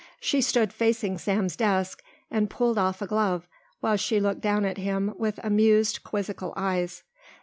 She stood facing Sam's desk and pulled off a glove while she looked down at him with amused, quizzical eyes.